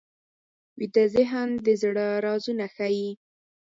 ویده ذهن د زړه رازونه ښيي